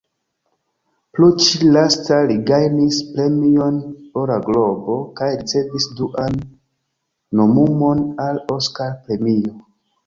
Por ĉi-lasta, li gajnis Premion Ora Globo kaj ricevis duan nomumon al Oskar-premio.